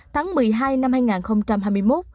tháng một mươi hai năm hai nghìn hai mươi một